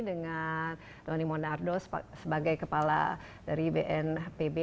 dengan doni monardo sebagai kepala dari bnpb